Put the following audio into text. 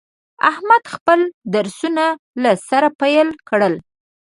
احمد خپل درسونه له سره پیل کړل.